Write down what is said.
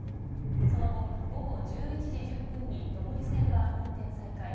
その後、午後１１時１０分に上り線は運転再開。